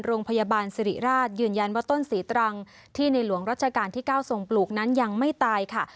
โรงพยาบาลสิริราชยืนยันว่าต้นศรีตรังที่ในหลวงรัชกาลที่๙ทรงปลูกนั้นยังไม่ตายค่ะ